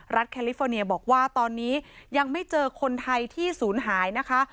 แคลิฟอร์เนียบอกว่าตอนนี้ยังไม่เจอคนไทยที่ศูนย์หายนะคะ